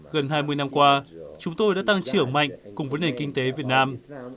gần hai mươi năm qua chúng tôi đã tăng trưởng mạnh cùng với nền kinh tế việt nam